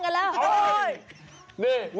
ลูกหลานร้องกันแล้ว